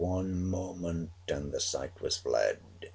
One moment and the sight was fled!